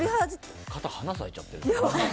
肩花咲いちゃってる。